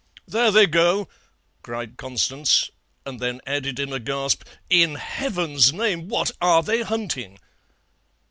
"'There they go,' cried Constance, and then added in a gasp, 'In Heaven's name, what are they hunting?'